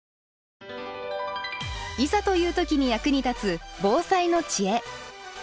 いざという時に役に立つ防災の知恵。